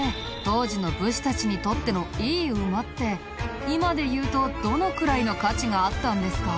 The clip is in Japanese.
当時の武士たちにとってのいい馬って今で言うとどのくらいの価値があったんですか？